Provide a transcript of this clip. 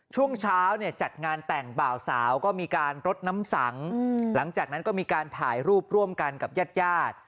ช่วงเช้าเนี่ยจัดงานแต่งบ่าวสาวก็มีการรดน้ำสังหลังจากนั้นก็มีการถ่ายรูปร่วมกันกับญาติญาติ